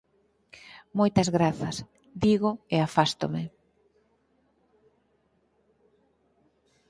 Moitas grazas —digo e afástome.